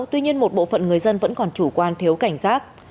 tuy nhiên một bộ phận người dân vẫn còn chủ quan thiếu cảnh giác